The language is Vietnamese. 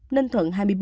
ninh thuận hai mươi bốn